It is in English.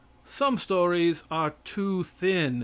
Some stories are too thin.